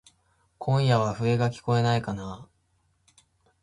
今夜は笛がきこえないかなぁ。